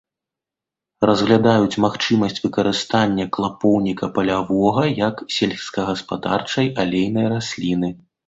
Разглядаюць магчымасць выкарыстання клапоўніка палявога як сельскагаспадарчай алейнай расліны.